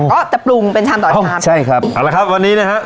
ก็จะปรุงเป็นชามต่อชามใช่ครับเอาละครับวันนี้นะฮะ